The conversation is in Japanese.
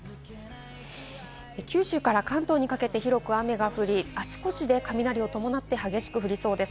九州から関東にかけては広く雨が降り、あちこちで雷を伴って激しく降りそうです。